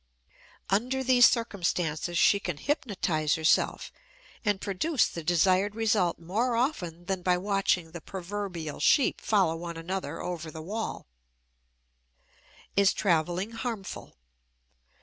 Under these circumstances she can hypnotize herself and "produce the desired result more often than by watching the proverbial sheep follow one another over the wall." IS TRAVELING HARMFUL?